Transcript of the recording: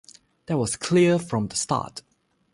That was clear from the start.